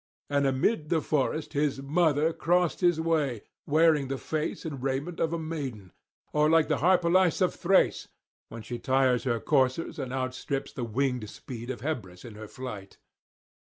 And amid the forest his mother crossed his way, wearing the face and raiment of a maiden, the arms of a maiden of Sparta, or like Harpalyce of Thrace when she tires her coursers and outstrips the winged speed of Hebrus in her flight.